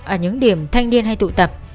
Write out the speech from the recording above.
ở những điểm thanh niên hay tụ tập